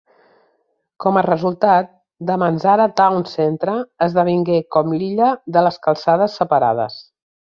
Com a resultat, Damansara Town Centre esdevingué com l'"illa" de les calçades separades.